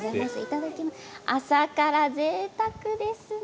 朝からぜいたくですね。